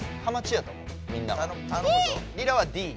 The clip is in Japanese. リラはＤ。